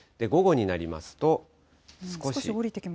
午後になりますと、少し。